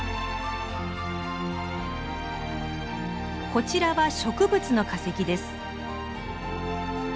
こちらは植物の化石です。